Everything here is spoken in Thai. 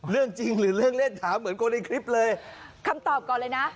เรื่องจริงหรือเรื่องเล่นถามเหมือนคนในคลิปเลยคำตอบก่อนเลยนะ